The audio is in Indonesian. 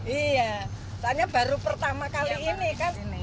iya soalnya baru pertama kali ini kan